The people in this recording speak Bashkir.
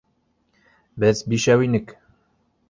Беҙ бишәү инек.